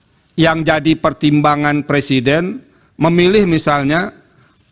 apa sih kira kira yang jadi pertimbangan presiden jadi kami harus menanyakan